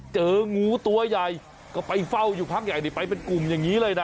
เจองูตัวใหญ่ก็ไปเฝ้าอยู่พักใหญ่นี่ไปเป็นกลุ่มอย่างนี้เลยนะ